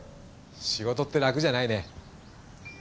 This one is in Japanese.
仕事って楽じゃないね。